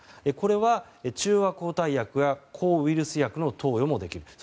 これは中和抗体薬や抗ウイルス薬の投与もできる。